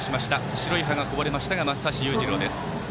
白い歯がこぼれたのが松橋裕次郎です。